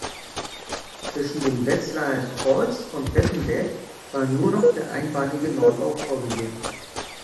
Zwischen dem Wetzlarer Kreuz und Wettenberg war nur noch der einbahnige Neubau vorgesehen.